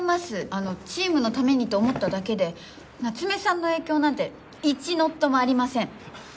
あのチームのためにと思っただけで夏目さんの影響なんて１ノットもありません！